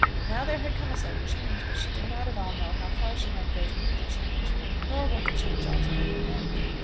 Now there had come a sudden change; but she did not at all know how far she might go to meet the change, nor what the change altogether meant.